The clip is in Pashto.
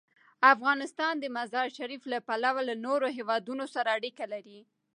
افغانستان د مزارشریف له پلوه له نورو هېوادونو سره اړیکې لري.